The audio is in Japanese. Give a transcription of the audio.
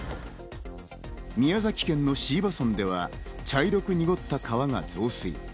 宮崎県の椎葉村では茶色く濁った川が増水。